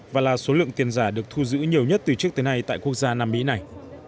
và là số lượng tiền giả được thu giữ nhiều nhất từ trước đến nay